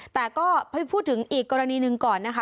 แต่ก็ไปพูดถึงอีกกรณีหนึ่งก่อนนะคะ